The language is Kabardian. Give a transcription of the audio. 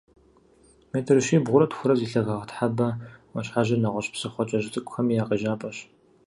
Метр щибгъурэ тхурэ зи лъагагъ Тхьэбэ Ӏуащхьэжьыр нэгъуэщӀ псыхъуэ кӀэщӀ цӀыкӀухэми я къежьапӀэщ.